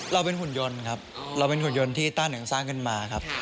เราเป็นขุนยนต์ครับเราเป็นขุนยนต์ที่ต้านึงสร้างขึ้นมาครับ